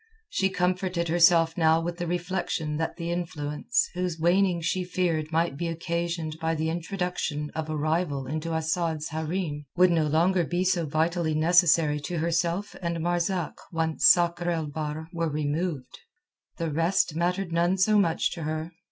She comforted herself now with the reflection that the influence, whose waning she feared might be occasioned by the introduction of a rival into Asad's hareem, would no longer be so vitally necessary to herself and Marzak once Sakr el Bahr were removed. The rest mattered none so much to her.